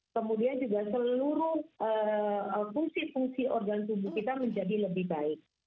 kemudian juga seluruh fungsi fungsi organ tubuh kita menjadi lebih baik